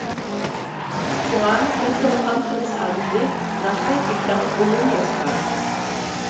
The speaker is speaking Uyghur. شۇڭا بۇ خىل قان قىلىش ئادىتى ناھايىتى كەڭ ئومۇملاشقان.